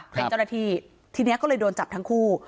เป็นจรภีททีนี้ก็เลยโดนจับทั้งคู่